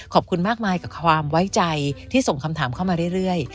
ขอบคุณมากมายกับความไว้ใจที่ส่งคำถามเข้ามาเรื่อย